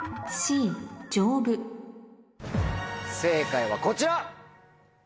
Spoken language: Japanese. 正解はこちら。